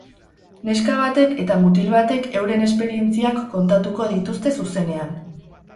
Neska batek eta mutil batek euren esperientziak kontatuko dituzte zuzenean.